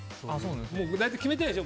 大体決めてるんでしょ？